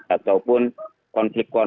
ataupun konflik politik praktis